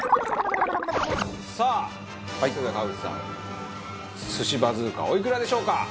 さあそれでは川内さん寿司バズーカおいくらでしょうか？